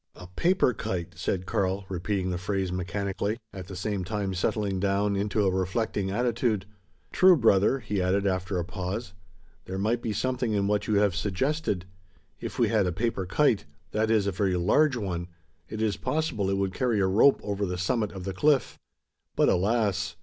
"A paper kite," said Karl, repeating the phrase mechanically, at the same time settling down, into a reflecting attitude. "True, brother," he added, after a pause; "there might be something in what you have suggested. If we had a paper kite that is, a very large one it is possible it would carry a rope over the summit of the cliff; but, alas!